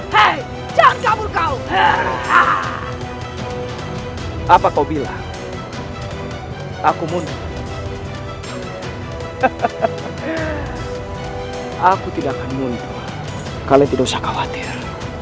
hai jangan kabur kau apa kau bilang aku mundur aku tidak akan mundur kalian tidak usah khawatir